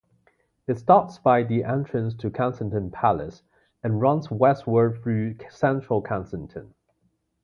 It starts by the entrance to Kensington Palace and runs westward through central Kensington.